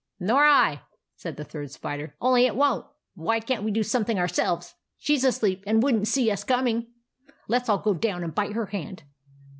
" Nor I," said the Third Spider, " only it won't. But why can't we do something ourselves. She 's asleep and would n't see us coming. Let 's all go down and bite her hand."